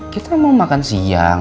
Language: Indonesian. kita mau makan siang